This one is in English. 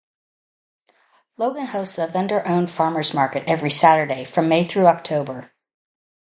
Logan hosts a vendor owned farmers' market every Saturday from May thru October.